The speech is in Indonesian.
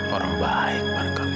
orang baik barangkali